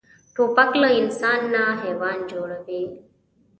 توپک له انسان نه حیوان جوړوي.